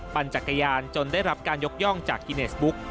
ปั่นจักรยานจนได้รับการยกย่องจากกิเนสบุ๊ก